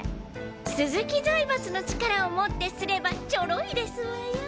鈴木財閥の力を以てすればチョロいですわよ。